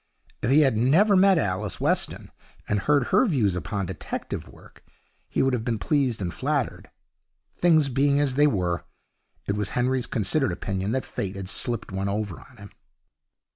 If he had never met Alice Weston, and heard her views upon detective work, he would have been pleased and flattered. Things being as they were, it was Henry's considered opinion that Fate had slipped one over on him.